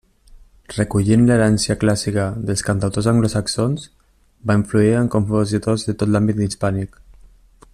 Recollint l'herència clàssica dels cantautors anglosaxons, va influir en compositors de tot l'àmbit hispànic.